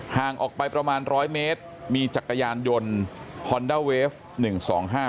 ห่างออกไปประมาณร้อยเมตรมีจักรยานยนต์ฮอนด้าเวฟหนึ่งสองห้า